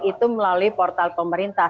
itu melalui portal pemerintah